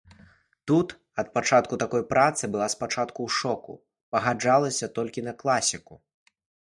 Тут ад такой працы была спачатку ў шоку, пагаджалася толькі на класіку.